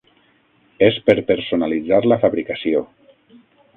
És per personalitzar la fabricació.